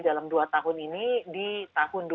dalam dua tahun ini di tahun dua ribu dua